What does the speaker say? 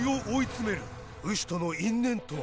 ウシとの因縁とは。